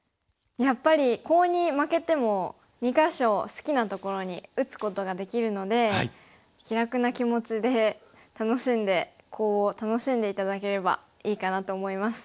やっぱりコウに負けても２か所好きなところに打つことができるので気楽な気持ちで楽しんでコウを楽しんで頂ければいいかなと思います。